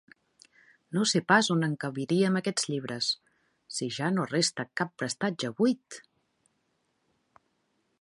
No sé pas on encabirem aquests llibres, si ja no resta cap prestatge buit!